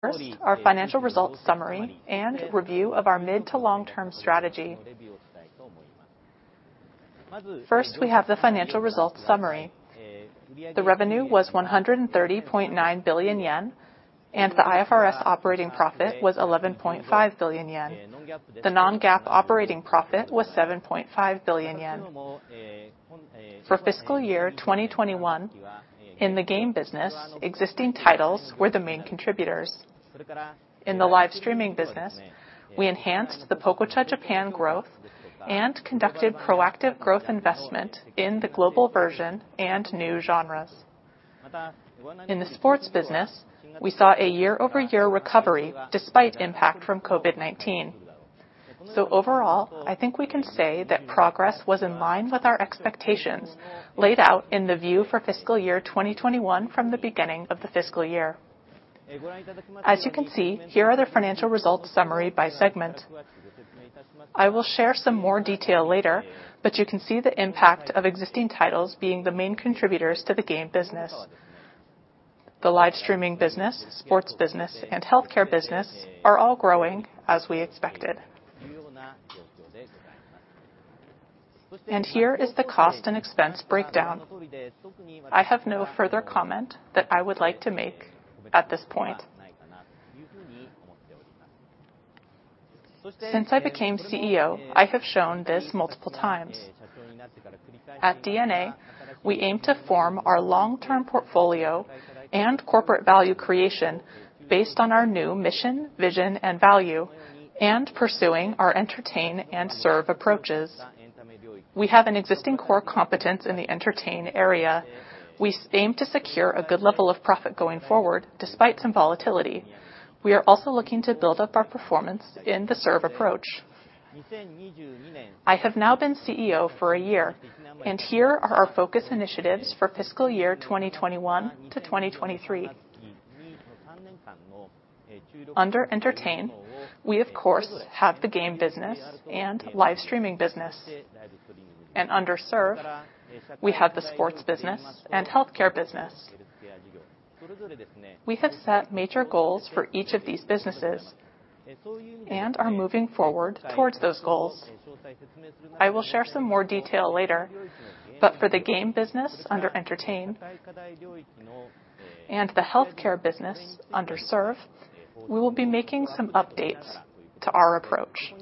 First, our financial results summary and review of our mid- to long-term strategy. First, we have the financial results summary. The revenue was 130.9 billion yen, and the IFRS operating profit was 11.5 billion yen. The non-GAAP operating profit was 7.5 billion yen. For fiscal year 2021, in the game business, existing titles were the main contributors. In the live streaming business, we enhanced the Pococha Japan growth and conducted proactive growth investment in the global version and new genres. In the sports business, we saw a year-over-year recovery despite impact from COVID-19. Overall, I think we can say that progress was in line with our expectations laid out in the view for fiscal year 2021 from the beginning of the fiscal year. As you can see, here are the financial results summary by segment. I will share some more detail later, but you can see the impact of existing titles being the main contributors to the game business. The live streaming business, sports business, and healthcare business are all growing as we expected. Here is the cost and expense breakdown. I have no further comment that I would like to make at this point. Since I became CEO, I have shown this multiple times. At DeNA, we aim to form our long-term portfolio and corporate value creation based on our new mission, vision, and value, and pursuing our entertain and serve approaches. We have an existing core competence in the entertain area. We aim to secure a good level of profit going forward, despite some volatility. We are also looking to build up our performance in the serve approach. I have now been CEO for a year, and here are our focus initiatives for fiscal year 2021 to 2023. Under Entertain, we of course, have the game business and live streaming business. Under Serve, we have the sports business and healthcare business. We have set major goals for each of these businesses and are moving forward toward those goals. I will share some more detail later, but for the game business under Entertain and the healthcare business under Serve, we will be making some updates to our approach.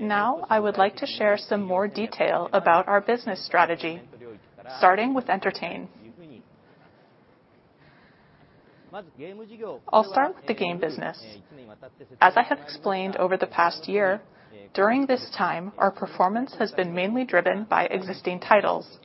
Now, I would like to share some more detail about our business strategy, starting with Entertain. I'll start with the game business. As I have explained over the past year, during this time, our performance has been mainly driven by existing titles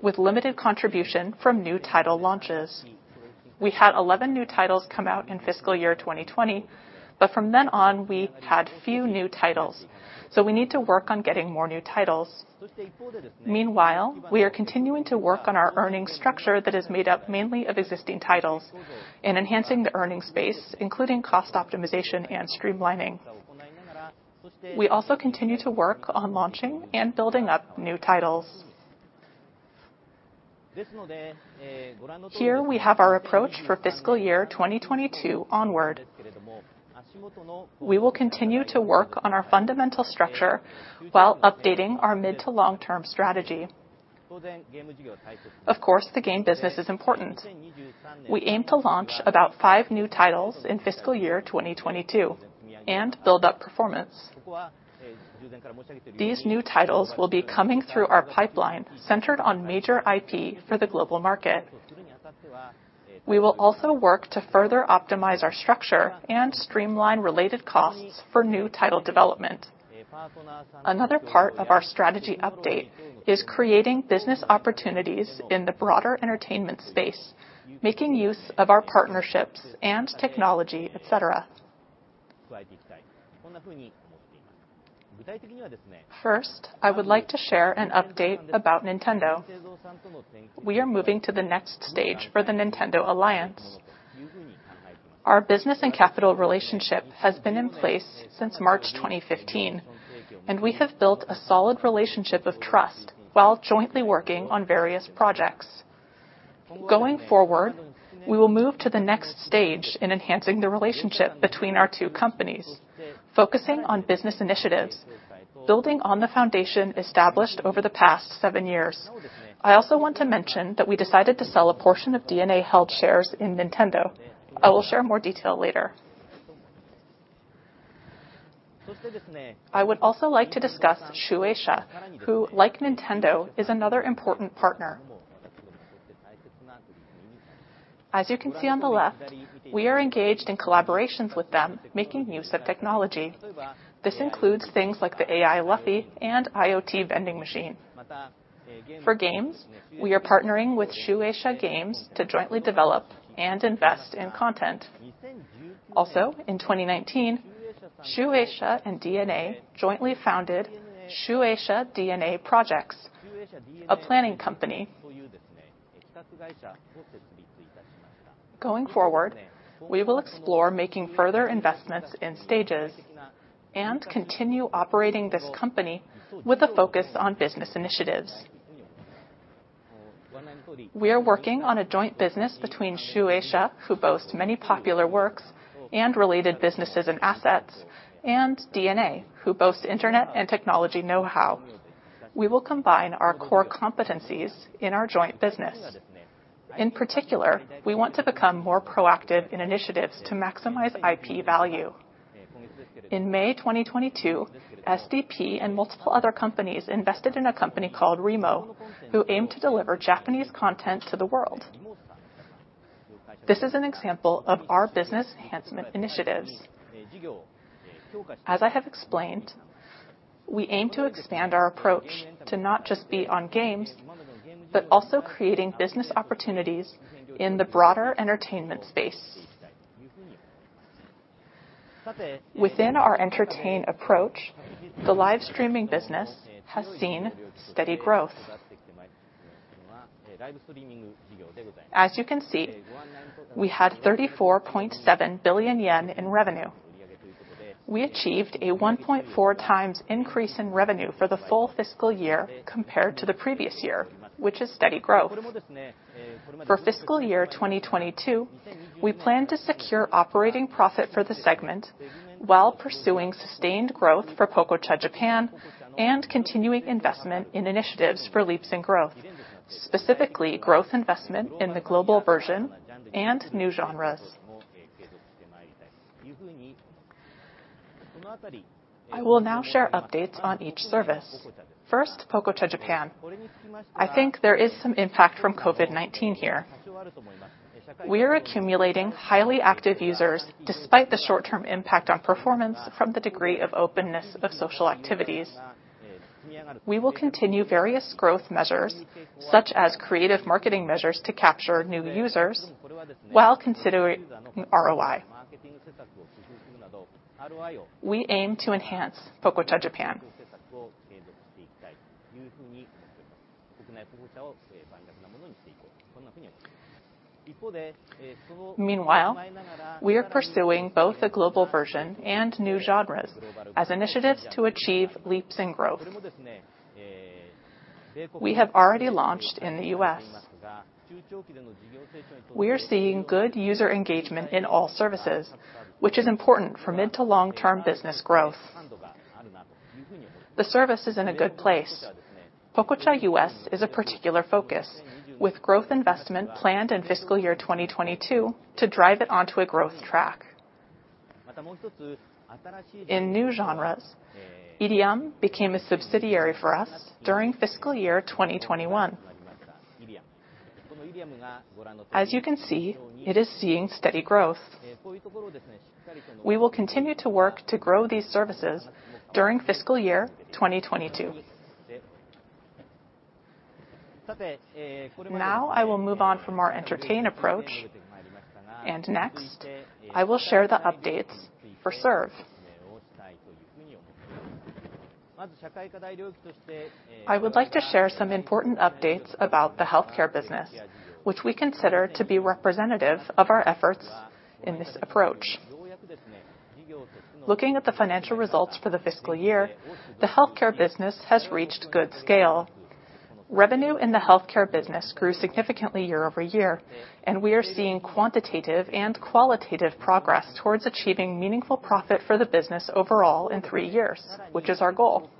with limited contribution from new title launches. We had 11 new titles come out in fiscal year 2020, but from then on, we had few new titles, so we need to work on getting more new titles. Meanwhile, we are continuing to work on our earnings structure that is made up mainly of existing titles and enhancing the earnings base, including cost optimization and streamlining. We also continue to work on launching and building up new titles. Here we have our approach for fiscal year 2022 onward. We will continue to work on our fundamental structure while updating our mid-to long-term strategy. Of course, the game business is important. We aim to launch about five new titles in fiscal year 2022 and build up performance. These new titles will be coming through our pipeline centered on major IP for the global market. We will also work to further optimize our structure and streamline related costs for new title development. Another part of our strategy update is creating business opportunities in the broader entertainment space, making use of our partnerships and technology, et cetera. First, I would like to share an update about Nintendo. We are moving to the next stage for the Nintendo Alliance. Our business and capital relationship has been in place since March 2015, and we have built a solid relationship of trust while jointly working on various projects. Going forward, we will move to the next stage in enhancing the relationship between our two companies, focusing on business initiatives, building on the foundation established over the past seven years. I also want to mention that we decided to sell a portion of DeNA-held shares in Nintendo. I will share more detail later. I would also like to discuss Shueisha, who, like Nintendo, is another important partner. As you can see on the left, we are engaged in collaborations with them making use of technology. This includes things like the AI Luffy and IoT vending machine. For games, we are partnering with Shueisha Games to jointly develop and invest in content. Also, in 2019, Shueisha and DeNA jointly founded Shueisha DeNA Projects, a planning company. Going forward, we will explore making further investments in stages and continue operating this company with a focus on business initiatives. We are working on a joint business between Shueisha, who boast many popular works and related businesses and assets, and DeNA, who boast internet and technology know-how. We will combine our core competencies in our joint business. In particular, we want to become more proactive in initiatives to maximize IP value. In May 2022, SDP and multiple other companies invested in a company called REMOW, who aim to deliver Japanese content to the world. This is an example of our business enhancement initiatives. As I have explained, we aim to expand our approach to not just be on games, but also creating business opportunities in the broader entertainment space. Within our entertainment approach, the live streaming business has seen steady growth. As you can see, we had 34.7 billion yen in revenue. We achieved a 1.4x increase in revenue for the full fiscal year compared to the previous year, which is steady growth. For fiscal year 2022, we plan to secure operating profit for the segment while pursuing sustained growth for Pococha Japan and continuing investment in initiatives for leaps in growth, specifically growth investment in the global version and new genres. I will now share updates on each service. First, Pococha Japan. I think there is some impact from COVID-19 here. We are accumulating highly active users despite the short-term impact on performance from the degree of openness of social activities. We will continue various growth measures, such as creative marketing measures to capture new users while considering ROI. We aim to enhance Pococha Japan. Meanwhile, we are pursuing both the global version and new genres as initiatives to achieve leaps in growth. We have already launched in the U.S. We are seeing good user engagement in all services, which is important for mid to long-term business growth. The service is in a good place. Pococha U.S. is a particular focus, with growth investment planned in fiscal year 2022 to drive it onto a growth track. In new genres, IRIAM became a subsidiary for us during fiscal year 2021. As you can see, it is seeing steady growth. We will continue to work to grow these services during fiscal year 2022. Now I will move on from our entertainment approach, and next, I will share the updates for service. I would like to share some important updates about the healthcare business, which we consider to be representative of our efforts in this approach. Looking at the financial results for the fiscal year, the healthcare business has reached good scale. Revenue in the healthcare business grew significantly year-over-year, and we are seeing quantitative and qualitative progress towards achieving meaningful profit for the business overall in three years, which is our goal.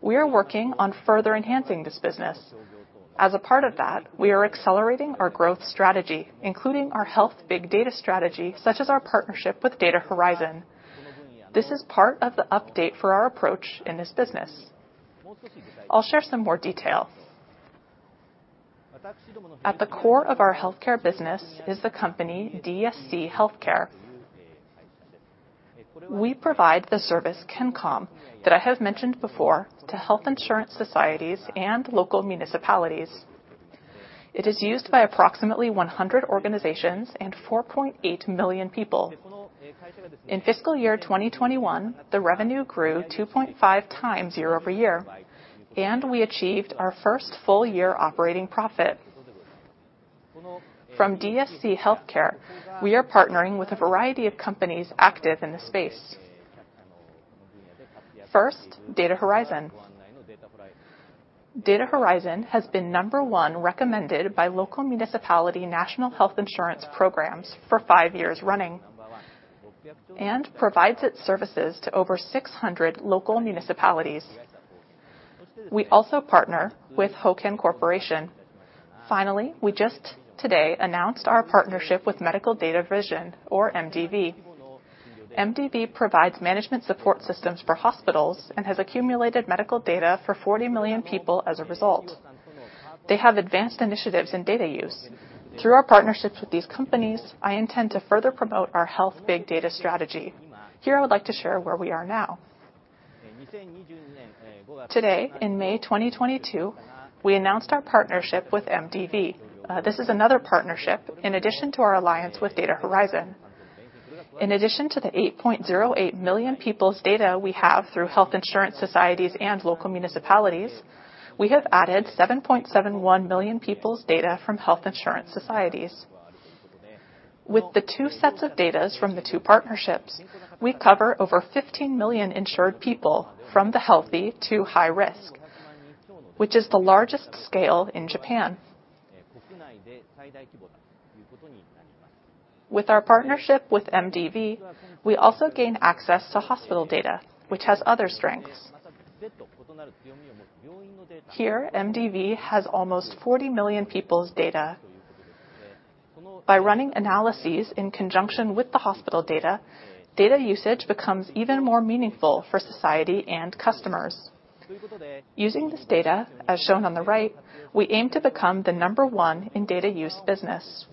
We are working on further enhancing this business. As a part of that, we are accelerating our growth strategy, including our health big data strategy, such as our partnership with Data Horizon. This is part of the update for our approach in this business. I'll share some more detail. At the core of our healthcare business is the company DeSC Healthcare. We provide the service kencom, that I have mentioned before, to health insurance societies and local municipalities. It is used by approximately 100 organizations and 4.8 million people. In fiscal year 2021, the revenue grew 2.5x year over year, and we achieved our first full-year operating profit. From DeSC Healthcare, we are partnering with a variety of companies active in the space. First, Data Horizon. Data Horizon has been number one recommended by local municipality national health insurance programs for five years running and provides its services to over 600 local municipalities. We also partner with Houken Corporation. Finally, we just today announced our partnership with Medical Data Vision, or MDV. MDV provides management support systems for hospitals and has accumulated medical data for 40 million people as a result. They have advanced initiatives in data use. Through our partnerships with these companies, I intend to further promote our health big data strategy. Here, I would like to share where we are now. Today, in May 2022, we announced our partnership with MDV. This is another partnership in addition to our alliance with Data Horizon. In addition to the 8.08 million people's data we have through health insurance societies and local municipalities, we have added 7.71 million people's data from health insurance societies. With the two sets of data from the two partnerships, we cover over 15 million insured people from the healthy to high risk, which is the largest scale in Japan. With our partnership with MDV, we also gain access to hospital data, which has other strengths. Here, MDV has almost 40 million people's data. By running analyses in conjunction with the hospital data usage becomes even more meaningful for society and customers. Using this data, as shown on the right, we aim to become the number one in data use business.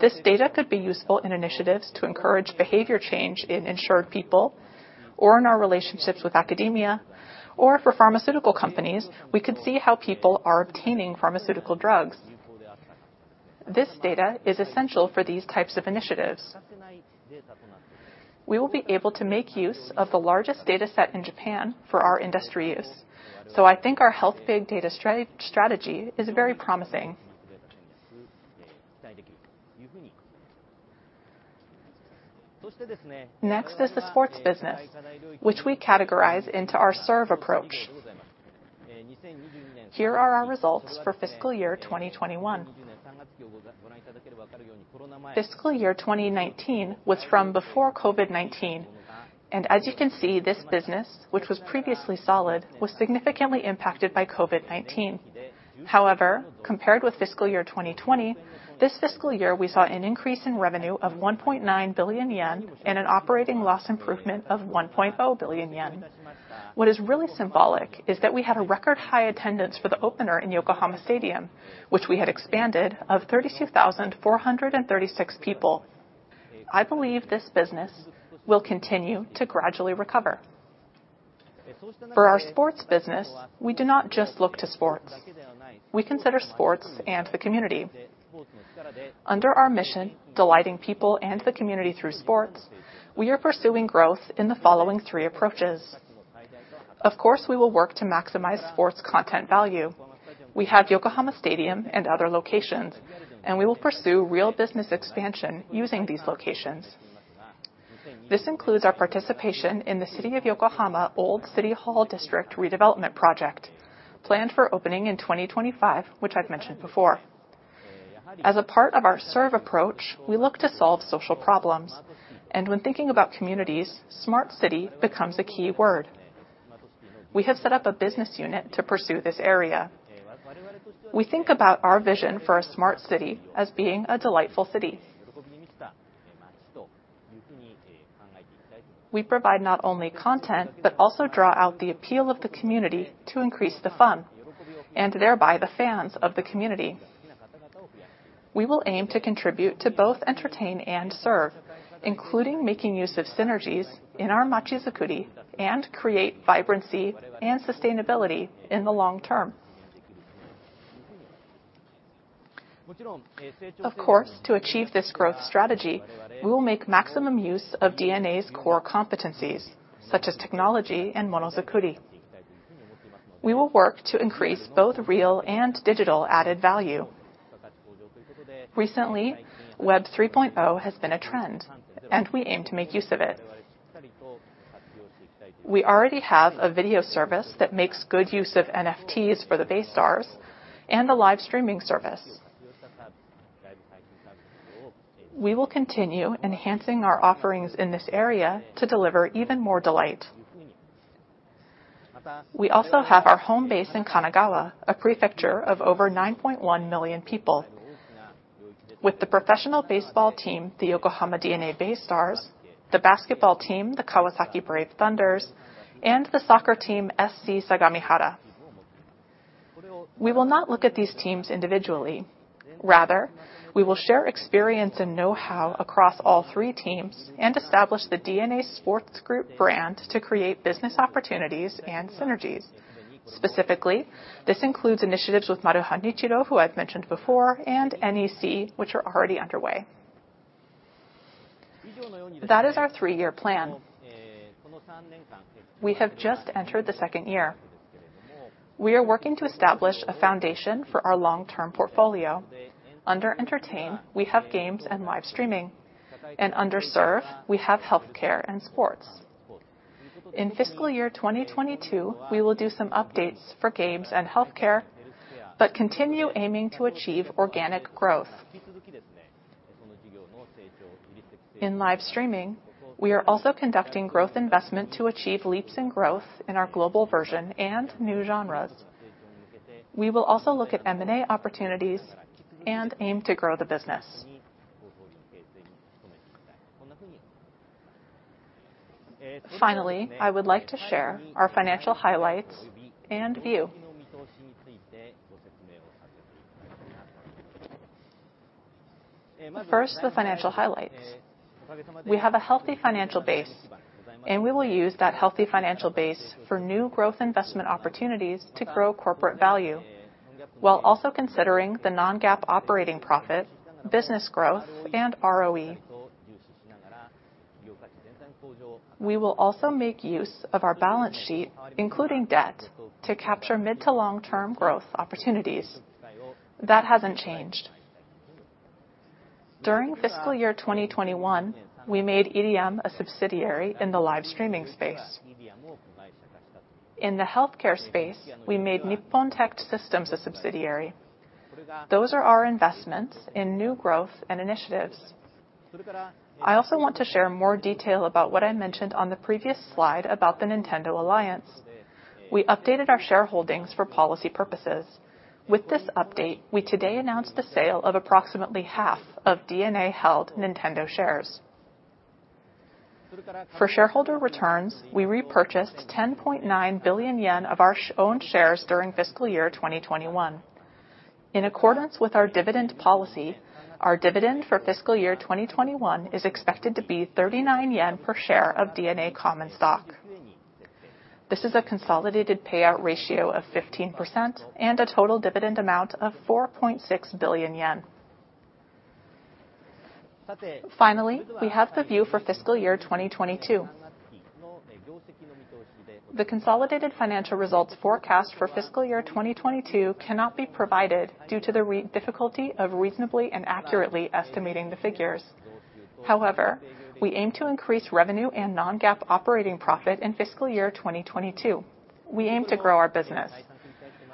This data could be useful in initiatives to encourage behavior change in insured people or in our relationships with academia, or for pharmaceutical companies, we could see how people are obtaining pharmaceutical drugs. This data is essential for these types of initiatives. We will be able to make use of the largest data set in Japan for our industry use. I think our health big data strategy is very promising. Next is the sports business, which we categorize into our service approach. Here are our results for fiscal year 2021. Fiscal year 2019 was from before COVID-19, and as you can see, this business, which was previously solid, was significantly impacted by COVID-19. However, compared with fiscal year 2020, this fiscal year, we saw an increase in revenue of 1.9 billion yen and an operating loss improvement of 1.0 billion yen. What is really symbolic is that we had a record high attendance for the opener in Yokohama Stadium, which we had expanded to 32,436 people. I believe this business will continue to gradually recover. For our sports business, we do not just look to sports. We consider sports and the community. Under our mission, delighting people and the community through sports, we are pursuing growth in the following three approaches. Of course, we will work to maximize sports content value. We have Yokohama Stadium and other locations, and we will pursue real business expansion using these locations. This includes our participation in the City of Yokohama Old City Hall District Redevelopment Project, planned for opening in 2025, which I've mentioned before. As a part of our CSR approach, we look to solve social problems, and when thinking about communities, smart city becomes a key word. We have set up a business unit to pursue this area. We think about our vision for a smart city as being a delightful city. We provide not only content, but also draw out the appeal of the community to increase the fun, and thereby the fans of the community. We will aim to contribute to both entertain and serve, including making use of synergies in our machizukuri and create vibrancy and sustainability in the long term. Of course, to achieve this growth strategy, we will make maximum use of DeNA's core competencies, such as technology and monozukuri. We will work to increase both real and digital added value. Recently, Web 3.0 has been a trend, and we aim to make use of it. We already have a video service that makes good use of NFTs for the BayStars and a live streaming service. We will continue enhancing our offerings in this area to deliver even more delight. We also have our home base in Kanagawa, a prefecture of over 9.1 million people. With the professional baseball team, the Yokohama DeNA BayStars, the basketball team, the Kawasaki Brave Thunders, and the soccer team, SC Sagamihara. We will not look at these teams individually. Rather, we will share experience and know-how across all three teams and establish the DeNA Sports Group brand to create business opportunities and synergies. Specifically, this includes initiatives with Maruha Nichiro, who I've mentioned before, and NEC, which are already underway. That is our three-year plan. We have just entered the second year. We are working to establish a foundation for our long-term portfolio. Under Entertain, we have games and live streaming. Under Serve, we have healthcare and sports. In fiscal year 2022, we will do some updates for games and healthcare, but continue aiming to achieve organic growth. In live streaming, we are also conducting growth investment to achieve leaps in growth in our global version and new genres. We will also look at M&A opportunities and aim to grow the business. Finally, I would like to share our financial highlights and view. First, the financial highlights. We have a healthy financial base, and we will use that healthy financial base for new growth investment opportunities to grow corporate value. While also considering the non-GAAP operating profit, business growth and ROE. We will also make use of our balance sheet, including debt, to capture mid- to long-term growth opportunities. That hasn't changed. During fiscal year 2021, we made IRIAM a subsidiary in the live streaming space. In the healthcare space, we made Nippontect Systems a subsidiary. Those are our investments in new growth and initiatives. I also want to share more detail about what I mentioned on the previous slide about the Nintendo alliance. We updated our shareholdings for policy purposes. With this update, we today announced the sale of approximately half of DeNA-held Nintendo shares. For shareholder returns, we repurchased 10.9 billion yen of our own shares during fiscal year 2021. In accordance with our dividend policy, our dividend for fiscal year 2021 is expected to be 39 yen per share of DeNA common stock. This is a consolidated payout ratio of 15% and a total dividend amount of 4.6 billion yen. Finally, we have the view for fiscal year 2022. The consolidated financial results forecast for fiscal year 2022 cannot be provided due to the difficulty of reasonably and accurately estimating the figures. However, we aim to increase revenue and non-GAAP operating profit in fiscal year 2022. We aim to grow our business.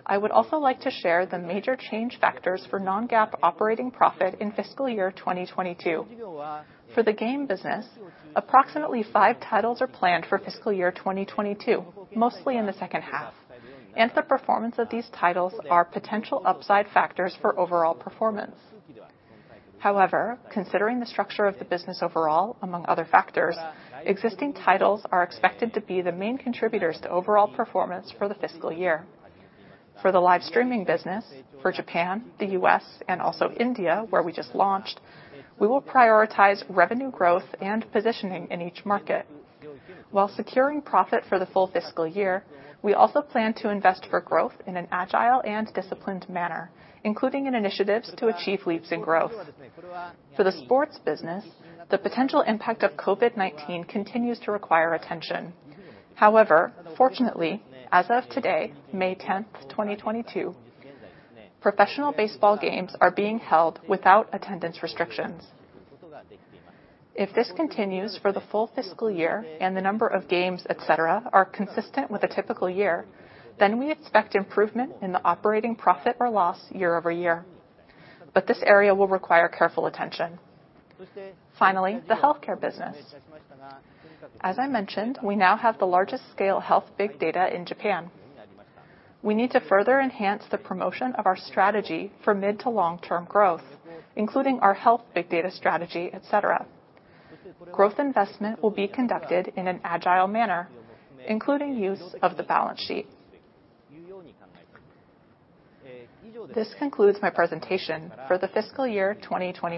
I would also like to share the major change factors for non-GAAP operating profit in fiscal year 2022. For the game business, approximately five titles are planned for fiscal year 2022, mostly in the second half, and the performance of these titles are potential upside factors for overall performance. However, considering the structure of the business overall, among other factors, existing titles are expected to be the main contributors to overall performance for the fiscal year. For the live streaming business, for Japan, the U.S., and also India, where we just launched, we will prioritize revenue growth and positioning in each market. While securing profit for the full fiscal year, we also plan to invest for growth in an agile and disciplined manner, including in initiatives to achieve leaps in growth. For the sports business, the potential impact of COVID-19 continues to require attention. However, fortunately, as of today, May 10th, 2022, professional baseball games are being held without attendance restrictions. If this continues for the full fiscal year and the number of games, et cetera, are consistent with a typical year, then we expect improvement in the operating profit or loss year over year. This area will require careful attention. Finally, the healthcare business. As I mentioned, we now have the largest scale health big data in Japan. We need to further enhance the promotion of our strategy for mid to long-term growth, including our health big data strategy, et cetera. Growth investment will be conducted in an agile manner, including use of the balance sheet. This concludes my presentation for the fiscal year 2021.